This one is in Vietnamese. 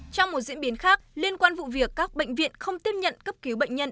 trong một diễn biến khác liên quan vụ việc các bệnh viện không tiếp nhận cấp cứu bệnh nhân